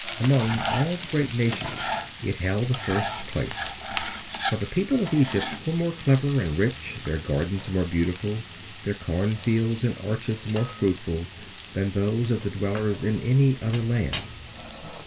Among all the great nations it held the first place; for the people of Egypt were more clever, and rich; their gardens more beautiful, their cornfields and orchards more fruitful than those of the dwellers in any other land.